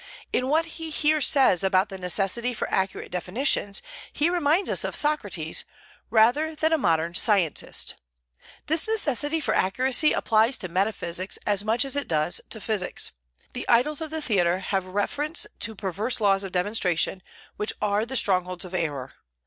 In what he here says about the necessity for accurate definitions, he reminds us of Socrates rather than a modern scientist; this necessity for accuracy applies to metaphysics as much as it does to physics. "The Idols of the Theatre" have reference to perverse laws of demonstration which are the strongholds of error.